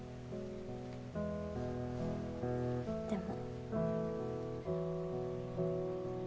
でも。